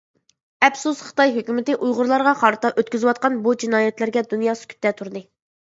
ئەپسۇس، خىتاي ھۆكۈمىتى ئۇيغۇرلارغا قارتا ئۆتكۈزۈۋاتقان بۇ جىنايەتلەرگە دۇنيا سۈكۈتتە تۇردى.